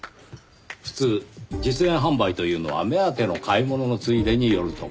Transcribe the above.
普通実演販売というのは目当ての買い物のついでに寄る所。